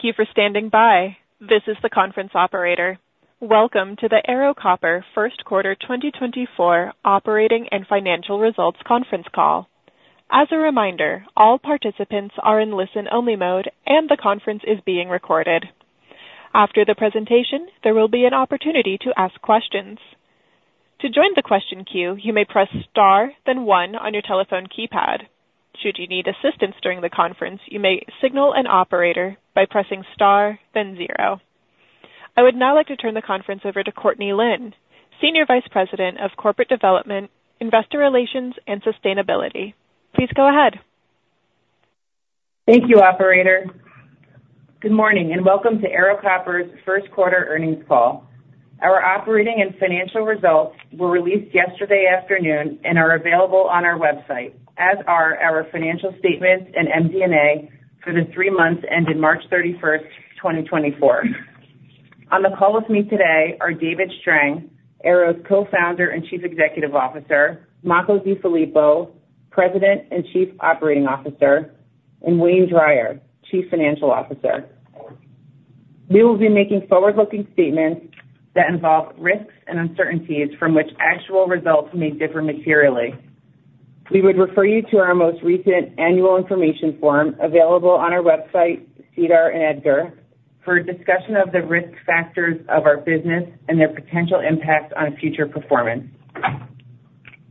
Thank you for standing by. This is the conference operator. Welcome to the Ero Copper Q1 2024 Operating and Financial Results Conference Call. As a reminder, all participants are in listen-only mode, and the conference is being recorded. After the presentation, there will be an opportunity to ask questions. To join the question queue, you may press star, then one on your telephone keypad. Should you need assistance during the conference, you may signal an operator by pressing star, then zero. I would now like to turn the conference over to Courtney Lynn, Senior Vice President of Corporate Development, Investor Relations, and Sustainability. Please go ahead. Thank you, operator. Good morning, and welcome to Ero Copper's Q1 Earnings Call. Our Operating and Financial Results were released yesterday afternoon and are available on our website, as are our Financial Statements and MD&A for the three months ended March 31, 2024. On the call with me today are David Strang, Ero's Co-founder and Chief Executive Officer, Makko DeFilippo, President and Chief Operating Officer, and Wayne Drier, Chief Financial Officer. We will be making forward-looking statements that involve risks and uncertainties from which actual results may differ materially. We would refer you to our most recent annual information form, available on our website, SEDAR, and EDGAR, for a discussion of the risk factors of our business and their potential impact on future performance.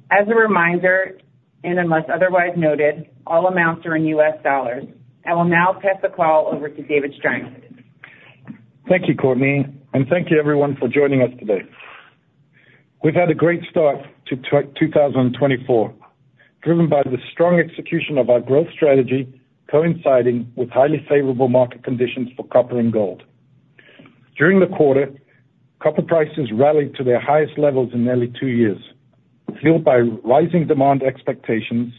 As a reminder, and unless otherwise noted, all amounts are in US dollars. I will now pass the call over to David Strang. Thank you, Courtney, and thank you everyone for joining us today. We've had a great start to 2024, driven by the strong execution of our growth strategy, coinciding with highly favorable market conditions for copper and gold. During the quarter, copper prices rallied to their highest levels in nearly two years, fueled by rising demand expectations,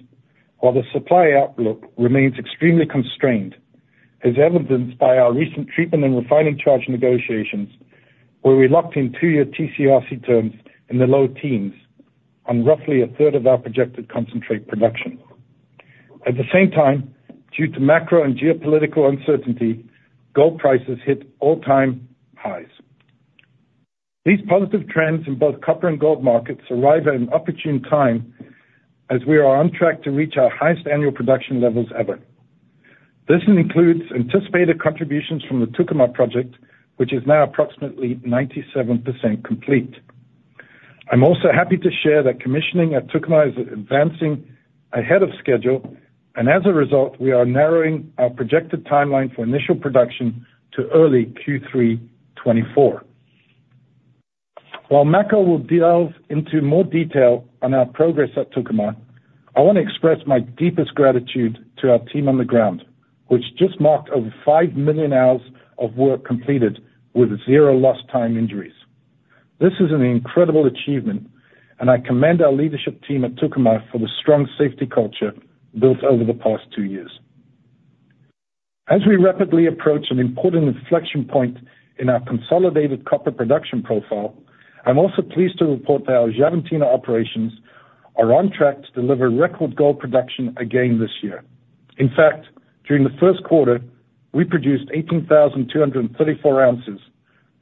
while the supply outlook remains extremely constrained, as evidenced by our recent treatment and refining charges negotiations, where we locked in 2-year TCRC terms in the low teens on roughly a third of our projected concentrate production. At the same time, due to macro and geopolitical uncertainty, gold prices hit all-time highs. These positive trends in both copper and gold markets arrive at an opportune time as we are on track to reach our highest annual production levels ever. This includes anticipated contributions from the Tucumã project, which is now approximately 97% complete. I'm also happy to share that commissioning at Tucumã is advancing ahead of schedule, and as a result, we are narrowing our projected timeline for initial production to early Q3 2024. While Makko will delve into more detail on our progress at Tucumã, I want to express my deepest gratitude to our team on the ground, which just marked over five million hours of work completed with zero lost time injuries. This is an incredible achievement, and I commend our leadership team at Tucumã for the strong safety culture built over the past two years. As we rapidly approach an important inflection point in our consolidated copper production profile, I'm also pleased to report that our Xavantina operations are on track to deliver record gold production again this year. In fact, during the Q1, we produced 18,234 ounces,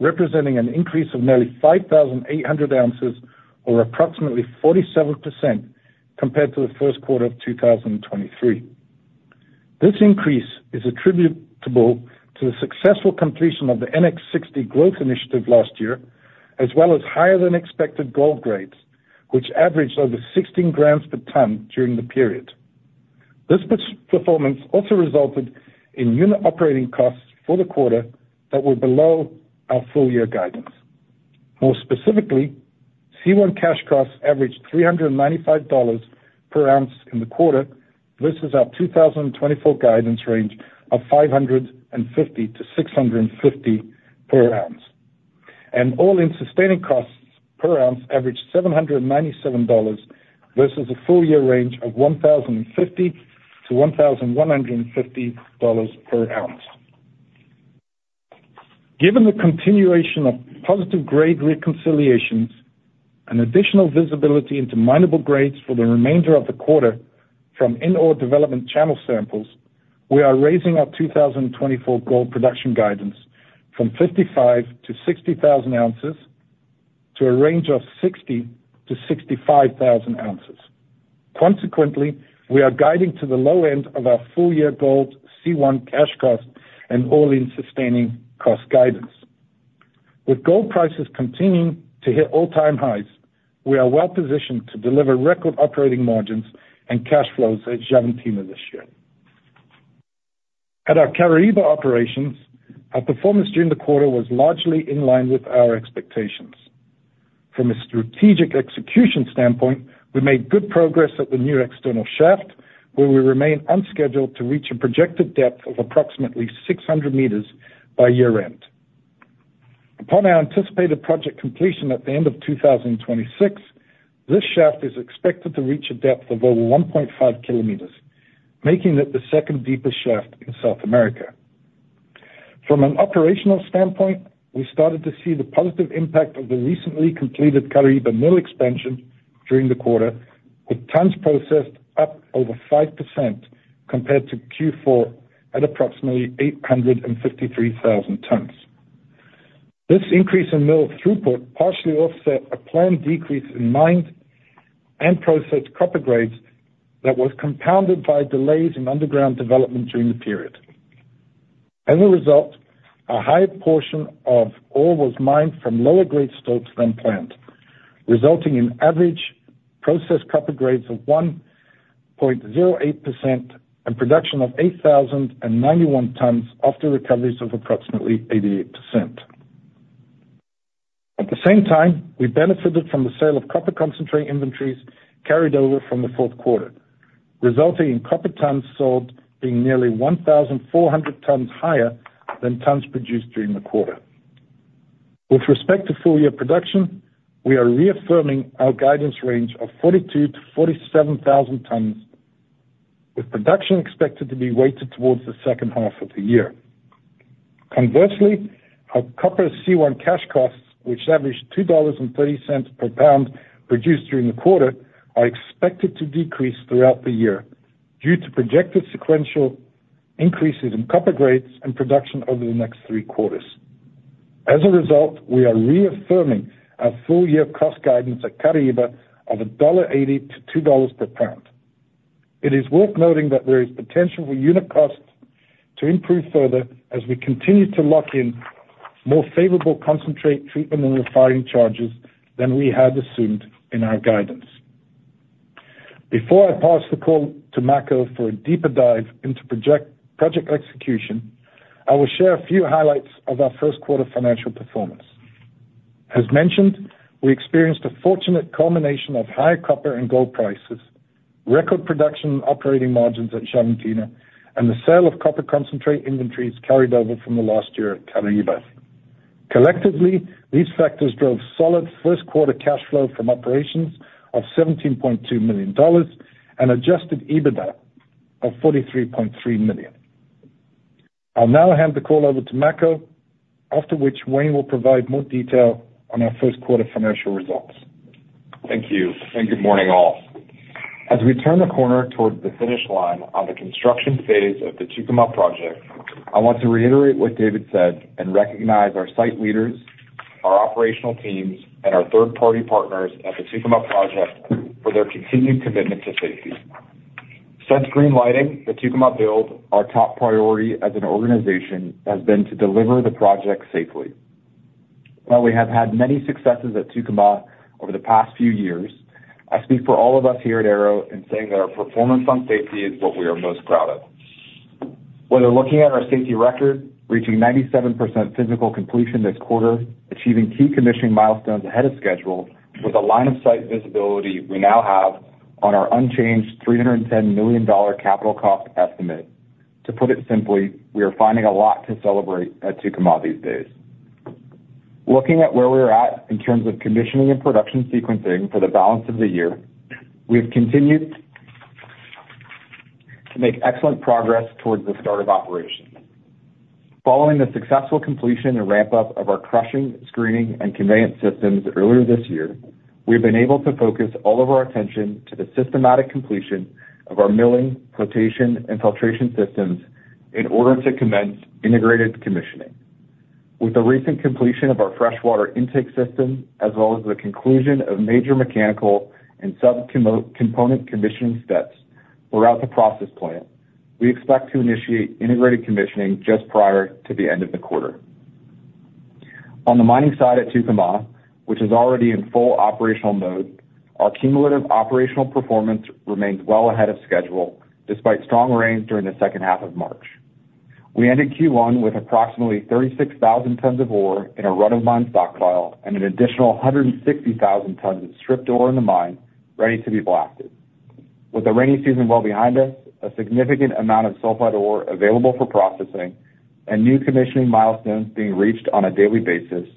representing an increase of nearly 5,800 ounces or approximately 47% compared to the Q1 of 2023. This increase is attributable to the successful completion of the NX60 growth initiative last year, as well as higher-than-expected gold grades, which averaged over 16 grams per ton during the period. This performance also resulted in unit operating costs for the quarter that were below our full year guidance. More specifically, C1 cash costs averaged $395 per ounce in the quarter, versus our 2024 guidance range of $550-$650 per ounce. All-in sustaining costs per ounce averaged $797 versus a full-year range of $1,050-$1,150 per ounce. Given the continuation of positive grade reconciliations and additional visibility into minable grades for the remainder of the quarter from in-ore development channel samples, we are raising our 2024 gold production guidance from 55,000-60,000 ounces to a range of 60,000-65,000 ounces. Consequently, we are guiding to the low end of our full-year gold C1 cash cost and all-in sustaining cost guidance. With gold prices continuing to hit all-time highs, we are well positioned to deliver record operating margins and cash flows at Xavantina this year. At our Caraíba operations, our performance during the quarter was largely in line with our expectations. From a strategic execution standpoint, we made good progress at the new external shaft, where we remain on schedule to reach a projected depth of approximately 600 meters by year-end. Upon our anticipated project completion at the end of 2026, this shaft is expected to reach a depth of over 1.5 kilometers, making it the second deepest shaft in South America. From an operational standpoint, we started to see the positive impact of the recently completed Caraíba mill expansion during the quarter, with tons processed up over 5% compared to Q4 at approximately 853,000 tons. This increase in mill throughput partially offset a planned decrease in mined and processed copper grades that was compounded by delays in underground development during the period. As a result, a higher portion of ore was mined from lower-grade stocks than planned, resulting in average processed copper grades of 1.08% and production of 8,091 tons after recoveries of approximately 88%. At the same time, we benefited from the sale of copper concentrate inventories carried over from the Q4, resulting in copper tons sold being nearly 1,400 tons higher than tons produced during the quarter. With respect to full-year production, we are reaffirming our guidance range of 42,000-47,000 tons, with production expected to be weighted towards the second half of the year. Conversely, our copper C1 cash costs, which averaged $2.30 per pound produced during the quarter, are expected to decrease throughout the year due to projected sequential increases in copper grades and production over the next three quarters. As a result, we are reaffirming our full-year cost guidance at Caraíba of $1.80-$2 per pound. It is worth noting that there is potential for unit costs to improve further as we continue to lock in more favorable concentrate treatment and refining charges than we had assumed in our guidance. Before I pass the call to Makko for a deeper dive into project, project execution, I will share a few highlights of our Q1 financial performance. As mentioned, we experienced a fortunate combination of higher copper and gold prices, record production and operating margins at Xavantina, and the sale of copper concentrate inventories carried over from the last year at Caraíba. Collectively, these factors drove solid Q1 cash flow from operations of $17.2 million and adjusted EBITDA of $43.3 million. I'll now hand the call over to Makko, after which Wayne will provide more detail on our Q1 Financial Results. Thank you, and good morning, all. As we turn the corner towards the finish line on the construction phase of the Tucumã Project, I want to reiterate what David said and recognize our site leaders, our operational teams, and our third-party partners at the Tucumã Project for their continued commitment to safety. Since green-lighting the Tucumã build, our top priority as an organization has been to deliver the project safely. While we have had many successes at Tucumã over the past few years, I speak for all of us here at Ero in saying that our performance on safety is what we are most proud of. Whether looking at our safety record, reaching 97% physical completion this quarter, achieving key commissioning milestones ahead of schedule, with the line of sight visibility we now have on our unchanged $310 million capital cost estimate. To put it simply, we are finding a lot to celebrate at Tucumã these days. Looking at where we're at in terms of commissioning and production sequencing for the balance of the year, we have continued to make excellent progress towards the start of operations. Following the successful completion and ramp-up of our crushing, screening, and conveyance systems earlier this year, we've been able to focus all of our attention to the systematic completion of our milling, flotation, and filtration systems in order to commence integrated commissioning. With the recent completion of our freshwater intake system, as well as the conclusion of major mechanical and sub-component commissioning steps throughout the process plant, we expect to initiate integrated commissioning just prior to the end of the quarter. On the mining side at Tucumã, which is already in full operational mode, our cumulative operational performance remains well ahead of schedule, despite strong rains during the second half of March. We ended Q1 with approximately 36,000 tons of ore in a run of mine stockpile and an additional 160,000 tons of stripped ore in the mine ready to be blasted. With the rainy season well behind us, a significant amount of sulfide ore available for processing and new commissioning milestones being reached on a daily basis,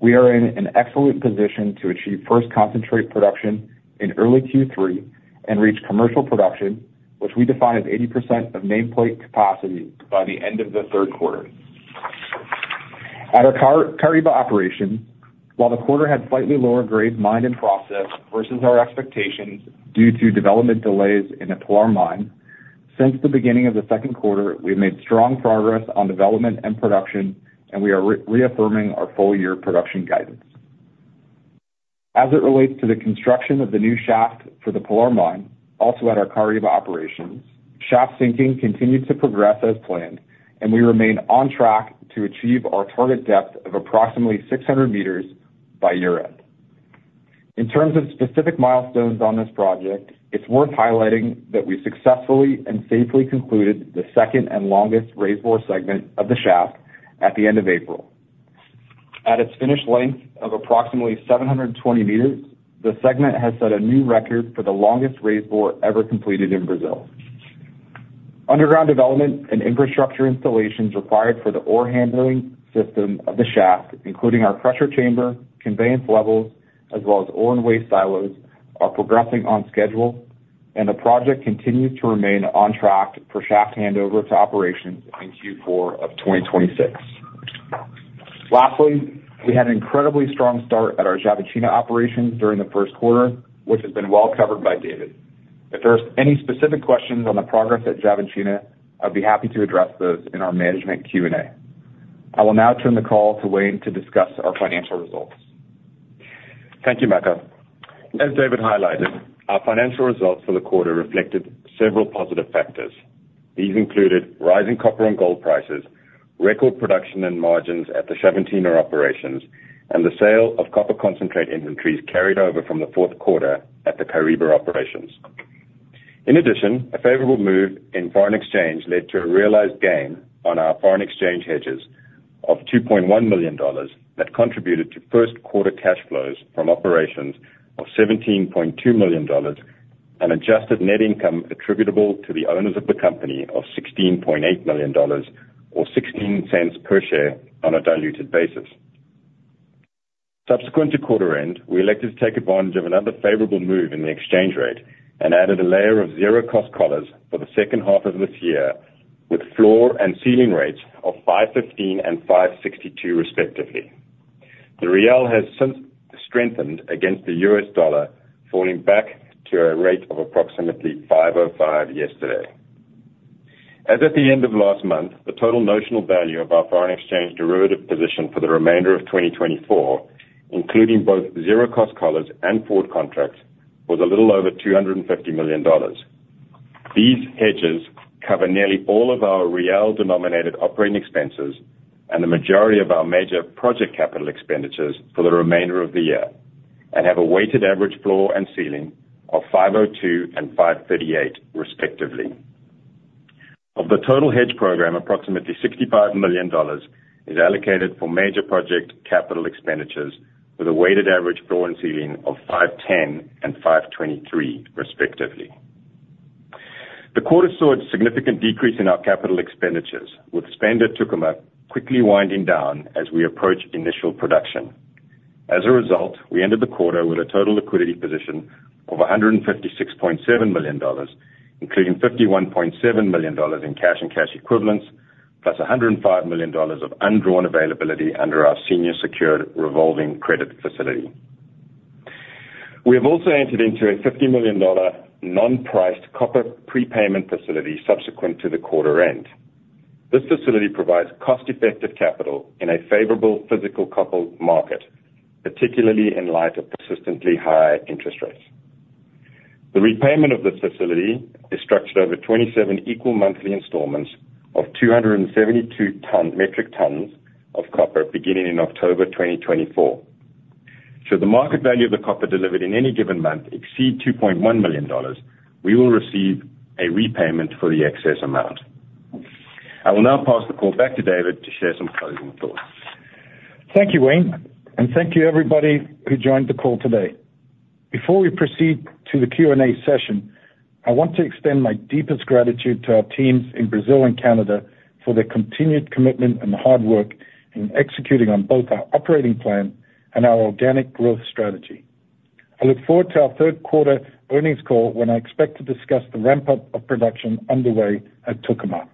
we are in an excellent position to achieve first concentrate production in early Q3 and reach commercial production, which we define as 80% of nameplate capacity by the end of the Q3. At our Caraíba operation, while the quarter had slightly lower grades mined and processed versus our expectations due to development delays in the Pilar Mine, since the beginning of the Q2, we've made strong progress on development and production, and we are reaffirming our full-year production guidance. As it relates to the construction of the new shaft for the Pilar Mine, also at our Caraíba operation, shaft sinking continued to progress as planned, and we remain on track to achieve our target depth of approximately 600 meters by year-end. In terms of specific milestones on this project, it's worth highlighting that we successfully and safely concluded the second and longest raise bore segment of the shaft at the end of April. At its finished length of approximately 720 meters, the segment has set a new record for the longest raise bore ever completed in Brazil. Underground development and infrastructure installations required for the ore handling system of the shaft, including our pressure chamber, conveyance levels, as well as ore and waste silos, are progressing on schedule, and the project continues to remain on track for shaft handover to operations in Q4 of 2026. Lastly, we had an incredibly strong start at our Xavantina operations during the Q1, which has been well covered by David. If there's any specific questions on the progress at Xavantina, I'd be happy to address those in our management Q&A. I will now turn the call to Wayne to discuss our financial results. Thank you, Makko. As David highlighted, our financial results for the quarter reflected several positive factors. These included rising copper and gold prices, record production and margins at the Xavantina operations, and the sale of copper concentrate inventories carried over from the Q4 at the Caraíba operations. In addition, a favorable move in foreign exchange led to a realized gain on our foreign exchange hedges of $2.1 million that contributed to Q1 cash flows from operations of $17.2 million, and adjusted net income attributable to the owners of the company of $16.8 million, or $0.16 per share on a diluted basis. Subsequent to quarter end, we elected to take advantage of another favorable move in the exchange rate and added a layer of zero-cost collars for the second half of this year, with floor and ceiling rates of $5.15 and $5.62, respectively. The real has since strengthened against the US dollar, falling back to a rate of approximately $5.05 yesterday. As at the end of last month, the total notional value of our foreign exchange derivative position for the remainder of 2024, including both zero-cost collars and forward contracts, was a little over $250 million. These hedges cover nearly all of our real-denominated operating expenses and the majority of our major project capital expenditures for the remainder of the year, and have a weighted average floor and ceiling of $5.02 and $5.38, respectively. Of the total hedge program, approximately $65 million is allocated for major project capital expenditures, with a weighted average floor and ceiling of $5.10-$5.23, respectively. The quarter saw a significant decrease in our capital expenditures, with spend at Tucumã quickly winding down as we approach initial production. As a result, we ended the quarter with a total liquidity position of $156.7 million, including $51.7 million in cash and cash equivalents, plus $105 million of undrawn availability under our senior secured revolving credit facility. We have also entered into a $50 million non-priced copper prepayment facility subsequent to the quarter end. This facility provides cost-effective capital in a favorable physical copper market, particularly in light of persistently high interest rates. The repayment of this facility is structured over 27 equal monthly installments of 272 metric tons of copper, beginning in October 2024. Should the market value of the copper delivered in any given month exceed $2.1 million, we will receive a repayment for the excess amount. I will now pass the call back to David to share some closing thoughts. Thank you, Wayne, and thank you everybody who joined the call today. Before we proceed to the Q&A session, I want to extend my deepest gratitude to our teams in Brazil and Canada for their continued commitment and hard work in executing on both our operating plan and our organic growth strategy. I look forward to our Q3 Earnings Call, when I expect to discuss the ramp-up of production underway at Tucumã.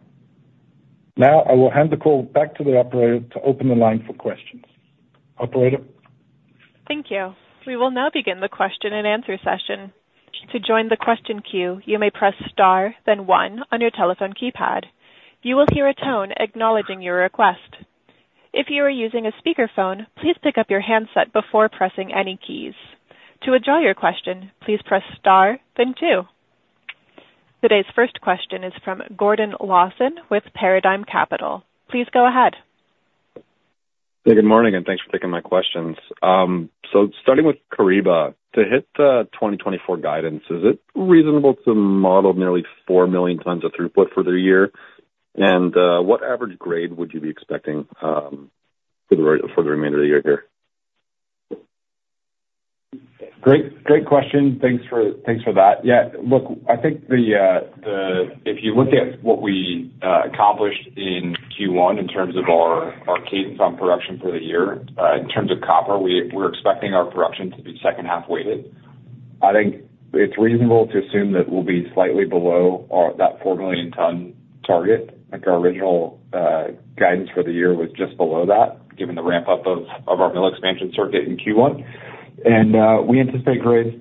Now, I will hand the call back to the operator to open the line for questions. Operator? Thank you. We will now begin the question and answer session. To join the question queue, you may press star, then one on your telephone keypad. You will hear a tone acknowledging your request. If you are using a speakerphone, please pick up your handset before pressing any keys. To withdraw your question, please press star, then two. Today's first question is from Gordon Lawson with Paradigm Capital. Please go ahead. Hey, good morning, and thanks for taking my questions. So starting with Caraíba, to hit the 2024 guidance, is it reasonable to model nearly four million tons of throughput for the year? And, what average grade would you be expecting, for the remainder of the year here? Great, great question. Thanks for, thanks for that. Yeah, look, I think if you looked at what we accomplished in Q1 in terms of our, our cadence on production for the year, in terms of copper, we, we're expecting our production to be second half weighted. I think it's reasonable to assume that we'll be slightly below our that four million ton target. I think our original guidance for the year was just below that, given the ramp-up of, of our mill expansion circuit in Q1. And we anticipate grades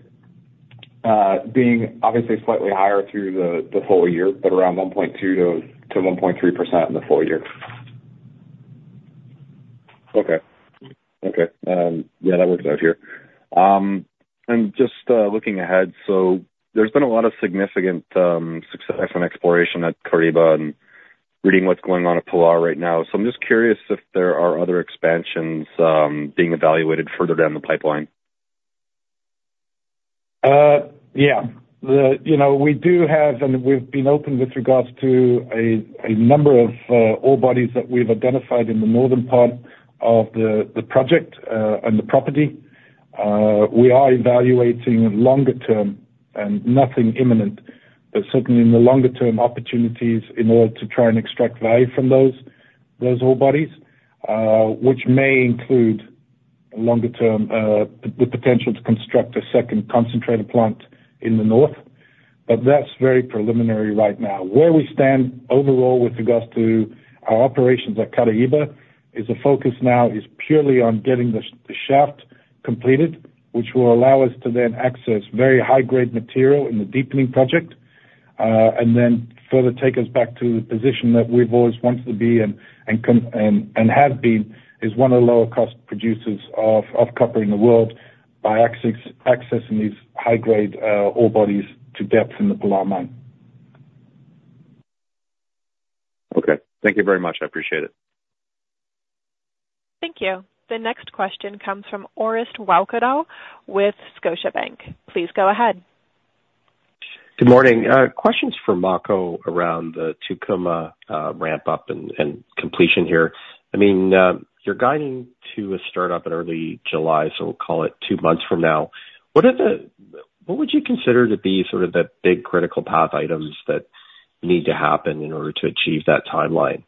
being obviously slightly higher through the full year, but around 1.2%-1.3% in the full year. Okay. Okay, yeah, that works out here. And just, looking ahead, so there's been a lot of significant, success on exploration at Caraíba and reading what's going on at Pilar right now. So I'm just curious if there are other expansions, being evaluated further down the pipeline. Yeah. You know, we do have, and we've been open with regards to a, a number of, ore bodies that we've identified in the northern part of the, the project, and the property. We are evaluating longer term and nothing imminent, but certainly in the longer term, opportunities in order to try and extract value from those, those ore bodies, which may include longer term, the potential to construct a second concentrate plant in the north, but that's very preliminary right now. Where we stand overall with regards to our operations at Caraíba is the focus now is purely on getting the shaft completed, which will allow us to then access very high grade material in the deepening project, and then further take us back to the position that we've always wanted to be in and have been, is one of the lower cost producers of copper in the world by accessing these high grade ore bodies to depth in the Pilar Mine. Okay. Thank you very much. I appreciate it. Thank you. The next question comes from Orest Wowkodaw with Scotiabank. Please go ahead. Good morning. Questions for Makko around the Tucumã, ramp up and completion here. I mean, you're guiding to a start up in early July, so we'll call it two months from now. What would you consider to be sort of the big critical path items that need to happen in order to achieve that timeline?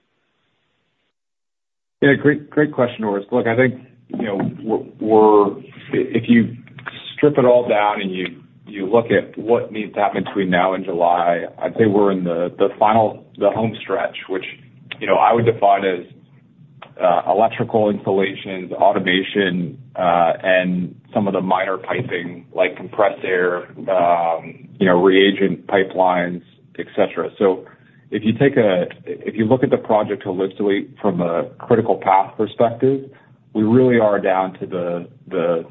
Yeah, great, great question, Orest. Look, I think, you know, we're if you strip it all down and you look at what needs to happen between now and July, I'd say we're in the final home stretch, which, you know, I would define as electrical installations, automation, and some of the minor piping, like compressed air, you know, reagent pipelines, et cetera. So if you look at the project holistically from a critical path perspective, we really are down to the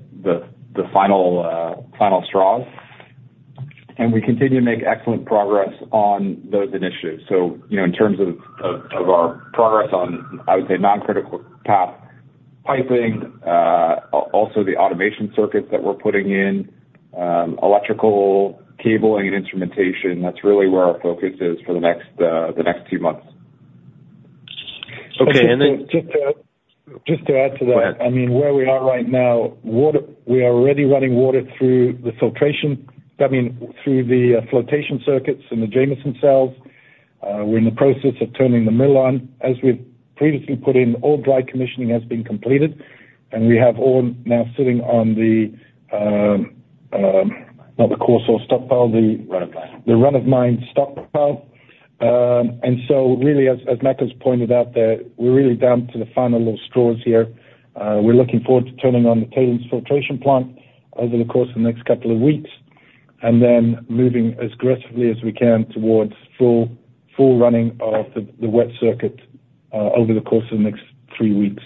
final straws, and we continue to make excellent progress on those initiatives. So, you know, in terms of our progress on, I would say, non-critical path piping, also the automation circuits that we're putting in, electrical cabling and instrumentation, that's really where our focus is for the next few months. Okay, and then- Just to add to that. Go ahead. I mean, where we are right now, water, we are already running water through the filtration, I mean, through the flotation circuits and the Jameson cells. We're in the process of turning the mill on. As we've previously put in, all dry commissioning has been completed, and we have all now sitting on the, not the course or stockpile, the- Run of mine. The run of mine stockpile. And so really, as Makko's pointed out, that we're really down to the final little straws here. We're looking forward to turning on the tailings filtration plant over the course of the next couple of weeks, and then moving as aggressively as we can towards full running of the wet circuit over the course of the next three weeks.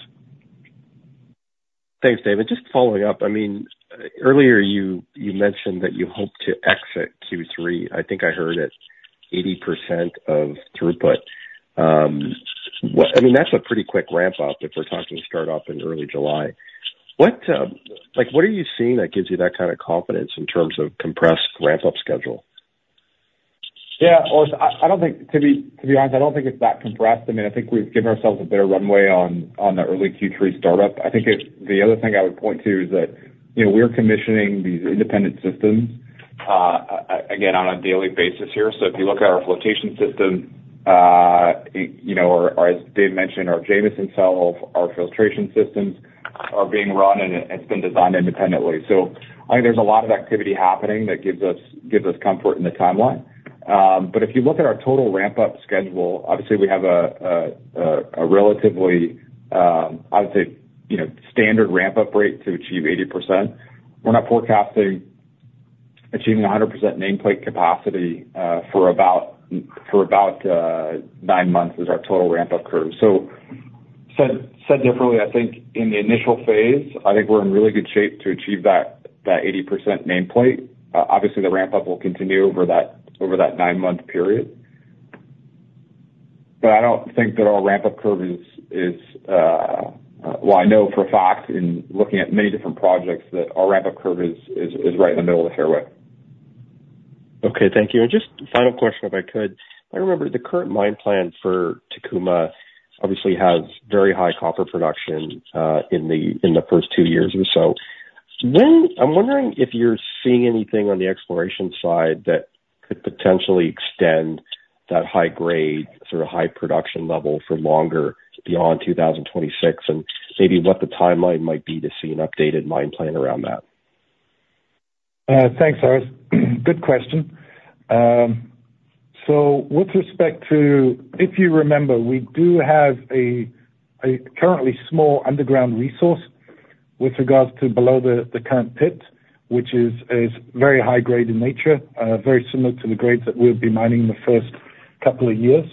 Thanks, David. Just following up, I mean, earlier you mentioned that you hope to exit Q3. I think I heard it 80% of throughput. I mean, that's a pretty quick ramp up if we're talking start up in early July. What, like, what are you seeing that gives you that kind of confidence in terms of compressed ramp up schedule? Yeah, Orest, I don't think, to be honest, I don't think it's that compressed. I mean, I think we've given ourselves a better runway on the early Q3 startup. I think it's—the other thing I would point to is that, you know, we're commissioning these independent systems again on a daily basis here. So if you look at our flotation system, you know, or as Dave mentioned, our Jameson Cell, our filtration systems are being run and it's been designed independently. So I think there's a lot of activity happening that gives us comfort in the timeline. But if you look at our total ramp up schedule, obviously, we have a relatively, I would say, you know, standard ramp up rate to achieve 80%. We're not forecasting achieving 100% nameplate capacity for about nine months is our total ramp up curve. So said differently, I think in the initial phase, I think we're in really good shape to achieve that 80% nameplate. Obviously, the ramp up will continue over that nine-month period. But I don't think that our ramp up curve is... Well, I know for a fact, in looking at many different projects, that our ramp up curve is right in the middle of the fairway. Okay, thank you. And just final question, if I could. I remember the current mine plan for Tucumã obviously has very high copper production, in the, in the first two years or so. I'm wondering if you're seeing anything on the exploration side that could potentially extend that high grade, sort of high production level for longer, beyond 2026, and maybe what the timeline might be to see an updated mine plan around that? Thanks, Orest. Good question. So with respect to... If you remember, we do have a currently small underground resource with regards to below the current pit, which is very high grade in nature, very similar to the grades that we'll be mining the first couple of years.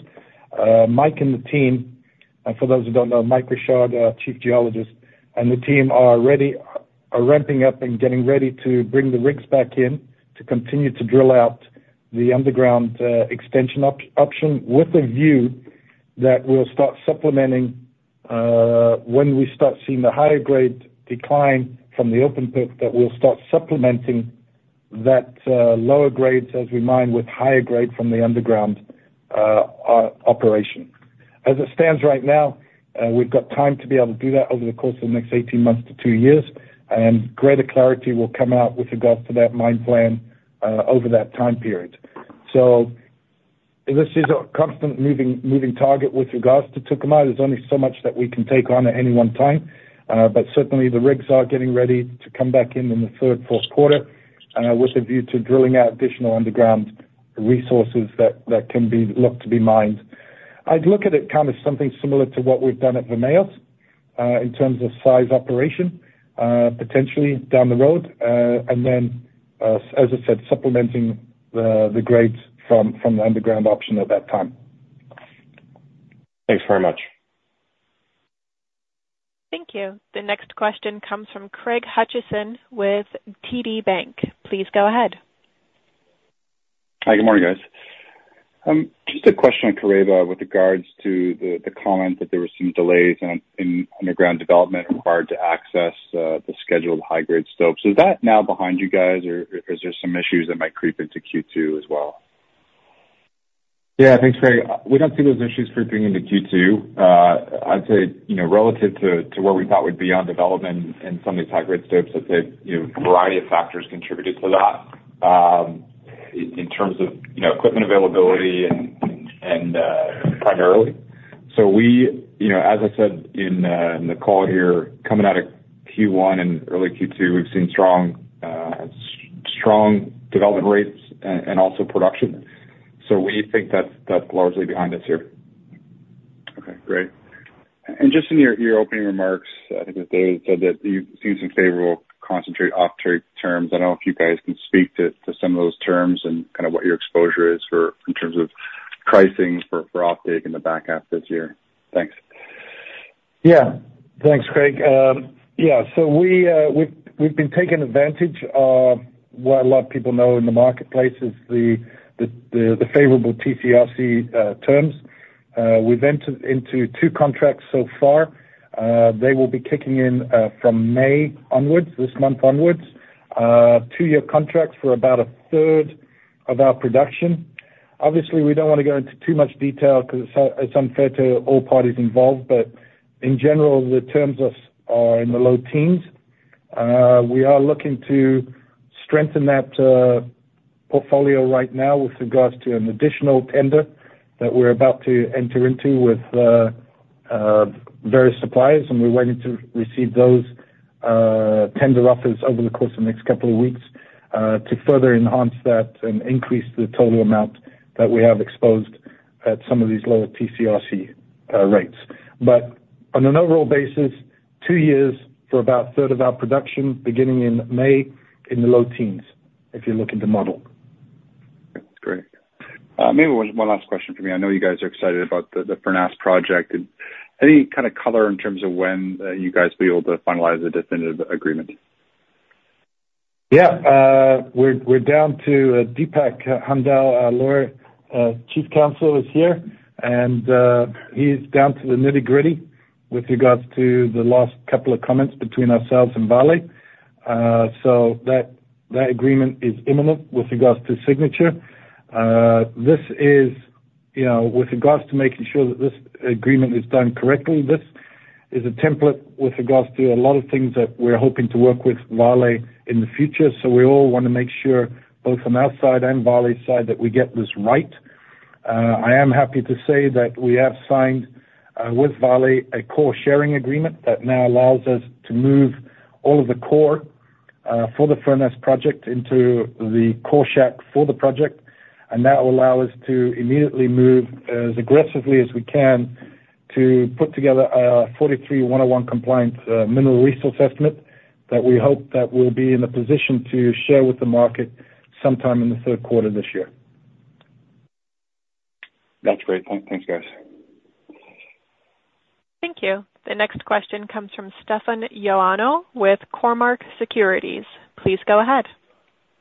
Mike and the team, and for those who don't know, Mike Richard, our Chief Geologist, and the team are ready, ramping up and getting ready to bring the rigs back in to continue to drill out the underground extension option, with a view that we'll start supplementing when we start seeing the higher grade decline from the open pit, that we'll start supplementing that lower grades as we mine with higher grade from the underground operation. As it stands right now, we've got time to be able to do that over the course of the next 18 months to 2 years, and greater clarity will come out with regards to that mine plan over that time period. This is a constant moving target with regards to Tucumã. There's only so much that we can take on at any one time. But certainly, the rigs are getting ready to come back in the third, Q4, with a view to drilling out additional underground resources that can be looked to be mined. I'd look at it kind of something similar to what we've done at Vermelhos, in terms of size operation, potentially down the road, and then, as I said, supplementing the grades from the underground option at that time. Thanks very much. Thank you. The next question comes from Craig Hutchison with TD Bank. Please go ahead. Hi, good morning, guys. Just a question on Caraíba with regards to the comment that there were some delays in underground development required to access the scheduled high-grade stopes. So is that now behind you guys, or is there some issues that might creep into Q2 as well? Yeah, thanks, Craig. We don't see those issues creeping into Q2. I'd say, you know, relative to where we thought we'd be on development and some of these high-grade stopes, I'd say, you know, a variety of factors contributed to that, in terms of, you know, equipment availability and primarily. So we, you know, as I said in the call here, coming out of Q1 and early Q2, we've seen strong strong development rates and also production. So we think that's, that's largely behind us here. Okay, great. Just in your opening remarks, I think that Dave said that you've seen some favorable concentrate off-take terms. I don't know if you guys can speak to some of those terms and kind of what your exposure is for in terms of pricing for off-take in the back half this year. Thanks. Yeah. Thanks, Craig. Yeah, so we've been taking advantage of what a lot of people know in the marketplace is the favorable TCRC terms. We've entered into two contracts so far. They will be kicking in from May onwards, this month onwards, two-year contracts for about a third of our production. Obviously, we don't want to go into too much detail because it's unfair to all parties involved. But in general, the terms are in the low teens. We are looking to strengthen that portfolio right now with regards to an additional tender that we're about to enter into with various suppliers, and we're waiting to receive those tender offers over the course of the next couple of weeks to further enhance that and increase the total amount that we have exposed at some of these lower TCRC rates. But on an overall basis, two years for about a third of our production, beginning in May, in the low teens, if you're looking to model. Great. Maybe one last question for me. I know you guys are excited about the Furnas Project. Any kind of color in terms of when you guys will be able to finalize a definitive agreement? Yeah, we're down to Deepk Hundal, our lawyer, Chief Counsel, is here, and he's down to the nitty-gritty with regards to the last couple of comments between ourselves and Vale. So that agreement is imminent with regards to signature. This is, you know, with regards to making sure that this agreement is done correctly, this is a template with regards to a lot of things that we're hoping to work with Vale in the future. So we all want to make sure, both from our side and Vale's side, that we get this right. I am happy to say that we have signed with Vale, a core sharing agreement that now allows us to move all of the core for the Furnas project into the core shack for the project, and that will allow us to immediately move as aggressively as we can to put together a 43-101 compliance mineral resource estimate that we hope that we'll be in a position to share with the market sometime in the Q3 this year. That's great. Thanks, guys. Thank you. The next question comes from Stefan Ioannou with Cormark Securities. Please go ahead.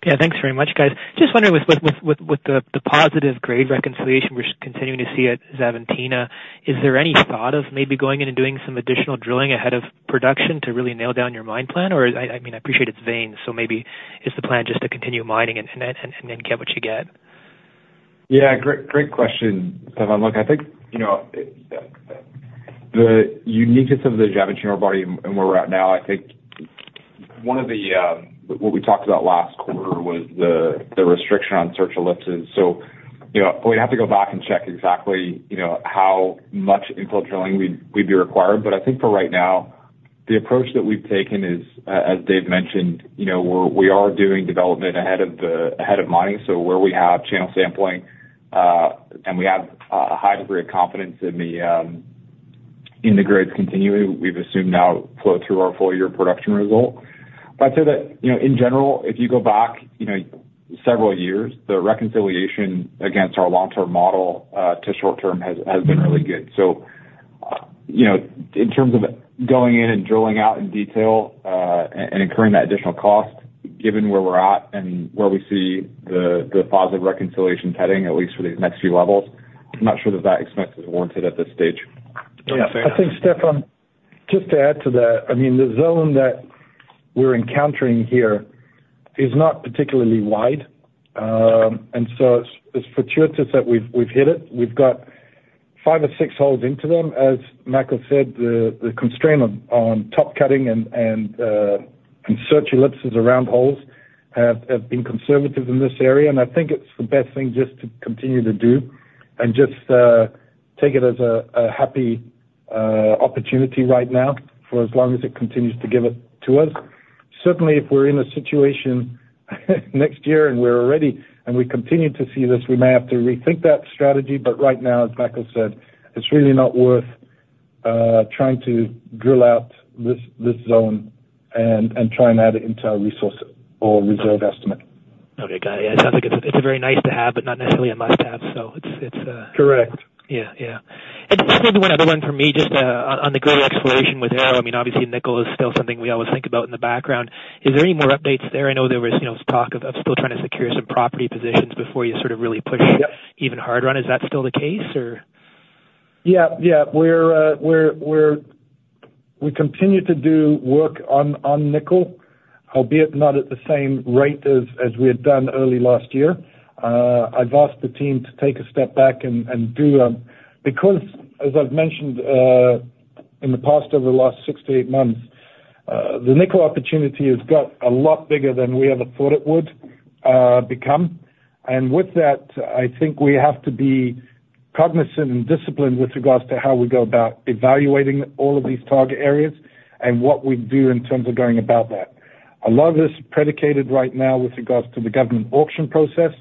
Yeah, thanks very much, guys. Just wondering with the positive grade reconciliation we're continuing to see at Xavantina, is there any thought of maybe going in and doing some additional drilling ahead of production to really nail down your mine plan? Or I mean, I appreciate it's veins, so maybe is the plan just to continue mining and then get what you get? Yeah, great, great question, Stefan. Look, I think, you know, the uniqueness of the Xavantina ore body and where we're at now, I think one of the, what we talked about last quarter was the, the restriction on search ellipses. So, you know, we'd have to go back and check exactly, you know, how much infill drilling we'd, we'd be required. But I think for right now, the approach that we've taken is, as Dave mentioned, you know, we are doing development ahead of the ahead of mining. So where we have channel sampling, and we have a, a high degree of confidence in the, in the grades continuing, we've assumed now flow through our full year production result. But I'd say that, you know, in general, if you go back, you know, several years, the reconciliation against our long-term model to short-term has been really good. So, you know, in terms of going in and drilling out in detail and incurring that additional cost, given where we're at and where we see the positive reconciliation heading, at least for the next few levels, I'm not sure that that expense is warranted at this stage. Yeah. I think, Stefan, just to add to that, I mean, the zone that we're encountering here is not particularly wide, and so it's fortuitous that we've hit it. We've got five or six holes into them. As Michael said, the constraint on top cutting and search ellipses around holes have been conservative in this area, and I think it's the best thing just to continue to do and just take it as a happy opportunity right now for as long as it continues to give it to us. Certainly, if we're in a situation next year, and we're ready, and we continue to see this, we may have to rethink that strategy, but right now, as Michael said, it's really not worth trying to drill out this, this zone and try and add it into our resource or reserve estimate. Okay, got it. It sounds like it's a very nice to have but not necessarily a must-have, so it's- Correct. Yeah. Yeah. And just maybe one other one for me, just on the great exploration with Arrow. I mean, obviously, nickel is still something we always think about in the background. Is there any more updates there? I know there was, you know, talk of still trying to secure some property positions before you sort of really push- Yep even harder on. Is that still the case, or? Yeah, yeah. We're - we continue to do work on nickel, albeit not at the same rate as we had done early last year. I've asked the team to take a step back and do... Because, as I've mentioned, in the past, over the last six to eight months, the nickel opportunity has got a lot bigger than we ever thought it would become. And with that, I think we have to be cognizant and disciplined with regards to how we go about evaluating all of these target areas and what we do in terms of going about that. A lot of this is predicated right now with regards to the government auction process.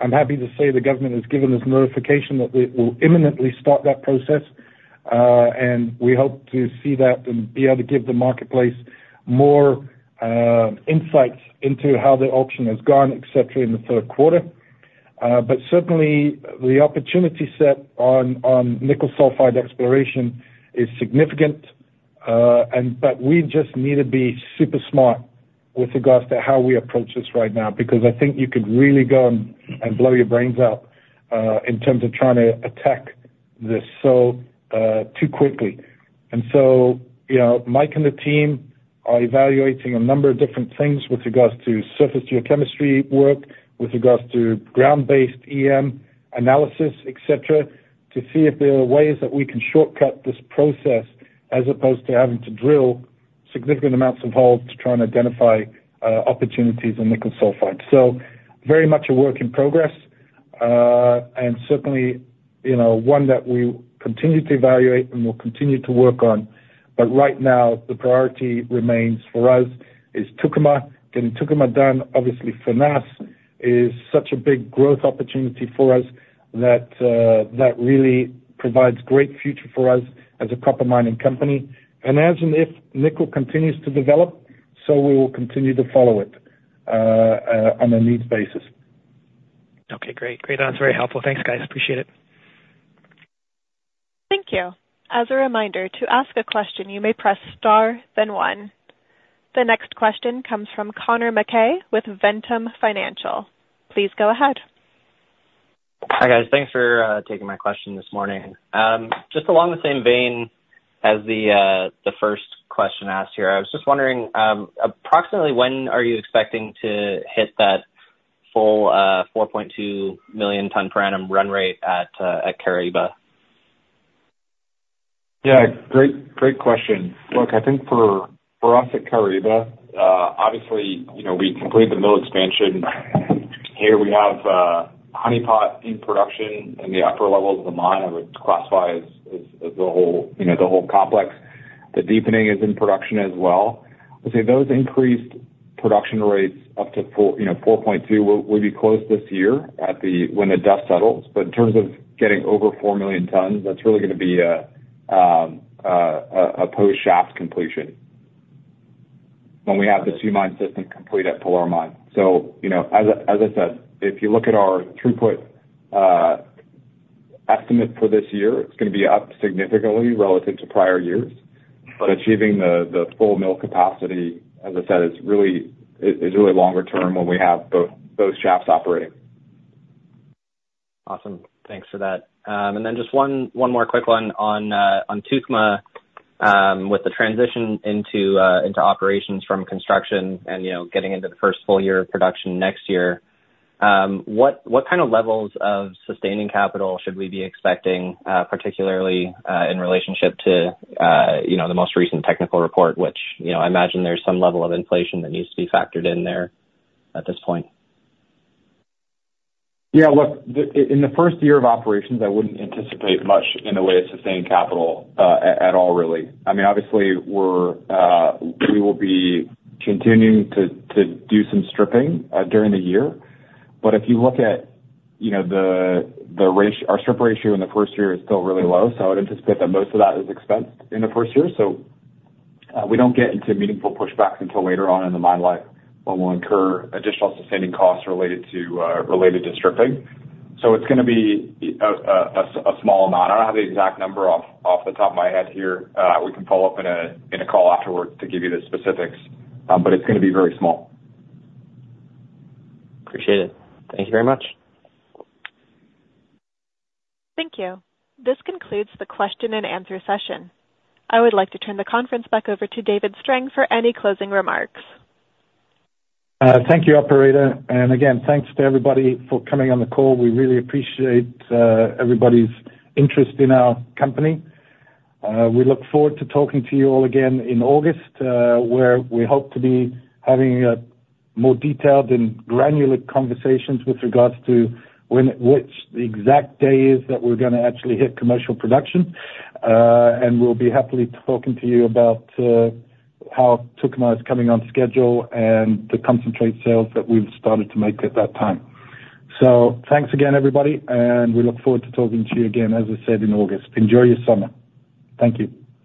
I'm happy to say the government has given us notification that they will imminently start that process, and we hope to see that and be able to give the marketplace more, insights into how the auction has gone, et cetera, in the Q3. But certainly, the opportunity set on nickel sulfide exploration is significant, and but we just need to be super smart with regards to how we approach this right now. Because I think you could really go and blow your brains out, in terms of trying to attack this so, too quickly. And so, you know, Mike and the team are evaluating a number of different things with regards to surface geochemistry work, with regards to ground-based EM analysis, et cetera, to see if there are ways that we can shortcut this process, as opposed to having to drill significant amounts of holes to try and identify opportunities in nickel sulfide. So very much a work in progress, and certainly, you know, one that we continue to evaluate and will continue to work on. But right now, the priority remains for us is Tucumã. Getting Tucumã done, obviously, for us, is such a big growth opportunity for us that that really provides great future for us as a copper mining company. And as and if nickel continues to develop, so we will continue to follow it on a needs basis. Okay, great. Great. That's very helpful. Thanks, guys. Appreciate it. Thank you. As a reminder, to ask a question, you may press star, then one. The next question comes from Connor MacKay with Ventum Financial. Please go ahead. Hi, guys. Thanks for taking my question this morning. Just along the same vein as the first question asked here, I was just wondering, approximately when are you expecting to hit that full 4.2 million ton per annum run rate at Caraíba? Yeah, great, great question. Look, I think for us at Caraíba, obviously, you know, we completed the mill expansion. Here, we have Honeypot in production in the upper levels of the mine. I would classify as the whole, you know, the whole complex. The deepening is in production as well. I'd say those increased production rates up to four, you know, 4.2 will be close this year at the—when the dust settles. But in terms of getting over four million tons, that's really gonna be a post-shaft completion. When we have the two mine system complete at Pilar Mine. So, you know, as I said, if you look at our throughput estimate for this year, it's gonna be up significantly relative to prior years. But achieving the full mill capacity, as I said, is really, it is really longer term when we have both shafts operating. Awesome. Thanks for that. And then just one more quick one on Tucumã, with the transition into operations from construction and, you know, getting into the first full year of production next year, what kind of levels of sustaining capital should we be expecting, particularly, in relationship to, you know, the most recent technical report? Which, you know, I imagine there's some level of inflation that needs to be factored in there at this point. Yeah, look, the... In the first year of operations, I wouldn't anticipate much in the way of sustained capital at all, really. I mean, obviously, we're we will be continuing to do some stripping during the year. But if you look at, you know, the ratio, our strip ratio in the first year is still really low, so I would anticipate that most of that is expensed in the first year. So we don't get into meaningful pushbacks until later on in the mine life, when we'll incur additional sustaining costs related to stripping. So it's gonna be a small amount. I don't have the exact number off the top of my head here. We can follow up in a call afterwards to give you the specifics, but it's gonna be very small. Appreciate it. Thank you very much. Thank you. This concludes the question and answer session. I would like to turn the conference back over to David Strang for any closing remarks. Thank you, operator, and again, thanks to everybody for coming on the call. We really appreciate everybody's interest in our company. We look forward to talking to you all again in August, where we hope to be having a more detailed and granular conversations with regards to when—which the exact day is that we're gonna actually hit commercial production. And we'll be happily talking to you about how Tucumã is coming on schedule and the concentrate sales that we've started to make at that time. So thanks again, everybody, and we look forward to talking to you again, as I said, in August. Enjoy your summer. Thank you.